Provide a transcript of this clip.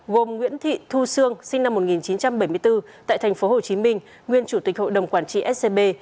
gồm nguyễn thị thu sương sinh năm một nghìn chín trăm bảy mươi bốn tại tp hcm nguyên chủ tịch hội đồng quản trị scb